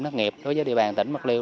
đặc nghiệp đối với địa bàn tỉnh bạc liêu